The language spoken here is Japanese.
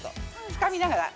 つかみながら。